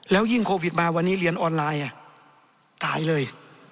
แล้วยิ่งโควิดมาวันนี้เรียนออนไลน์ตายเลย